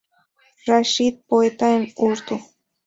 Rashid, poeta en urdu.